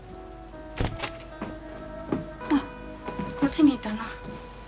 ああこっちにいたの。